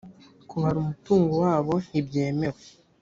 kubara umutungo wabo ntibyemewe